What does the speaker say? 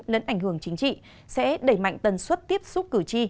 lẫn ảnh hưởng chính trị sẽ đẩy mạnh tần suất tiếp xúc cử tri